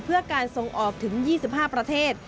เพื่อการส่งออกถึง๒๕ประเทศ